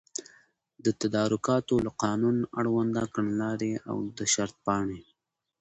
د تدارکاتو له قانون، اړوند کړنلاري او د شرطپاڼي